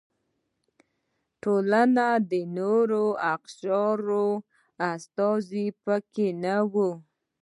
ټولنې د نورو اقشارو هېڅ استازي پکې نه و.